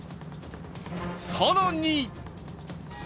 更に